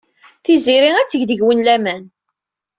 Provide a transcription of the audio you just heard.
Tiziri ad teg deg-wen laman.